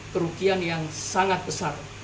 kerugian yang sangat besar